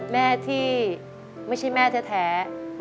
แม่ที่ไม่ใช่แม่แท้